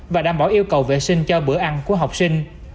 và đảm bảo yêu cầu vệ sinh cho bữa ăn của học sinh